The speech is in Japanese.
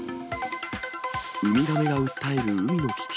ウミガメが訴える海の危機。